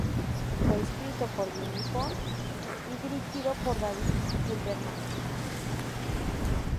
Fue escrito por Mimi Pond y dirigido por David Silverman.